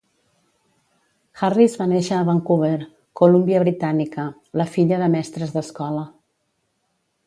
Harris va nàixer a Vancouver, Columbia Britànica, la filla de mestres d'escola.